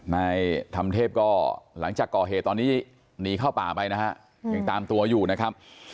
นายธรรมเทพก็หลังจากก่อเหตุตอนนี้หนีเข้าป่าไปนะฮะยังตามตัวอยู่นะครับ